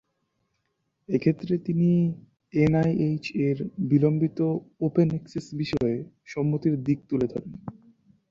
এক্ষেত্রে তিনি এনআইএইচ-এর বিলম্বিত ওপেন অ্যাক্সেস বিষয়ে সম্মতির দিক তুলে ধরেন।